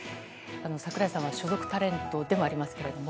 櫻井さんは所属タレントでもありますけども。